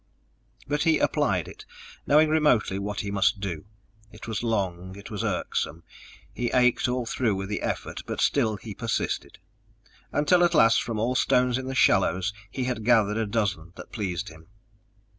But he applied it, knowing remotely what he must do. It was long; it was irksome; he ached all through with the effort but still he persisted. Until at last, from all the stones in the shallows, he had gathered a dozen that pleased him.